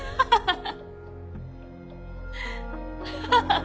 ハハハッ！